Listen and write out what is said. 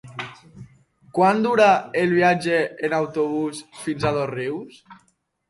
Quant dura el viatge en autobús fins a Dosrius?